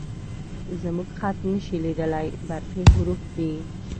_زموږ خط نه شې لېدلی، برقي حروف دي